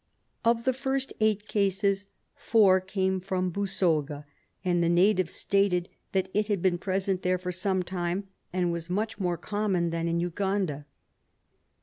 Of the first eight cases four came from Busoga, and the natives stated that it had been present there for some time, and was much more common than in Uganda.